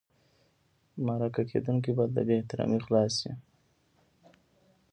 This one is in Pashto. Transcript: مرکه کېدونکی باید له بې احترامۍ خلاص شي.